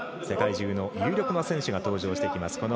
世界中の有力な選手が登場してきます。